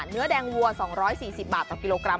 เนื้อแดงวัว๒๔๐บาทต่อกิโลกรัม